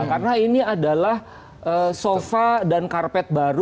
karena ini adalah sofa dan karpet baru